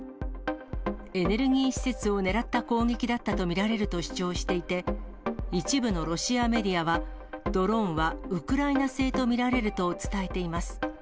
エネルギー施設を狙った攻撃だったと見られると主張していて、一部のロシアメディアは、ドローンはウクライナ製と見られると伝えています。